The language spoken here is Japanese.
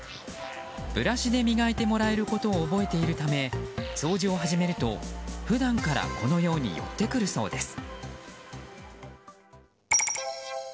ブラシで磨いてもらえることを覚えているため掃除を始めると普段からこのように寄ってくるそうです。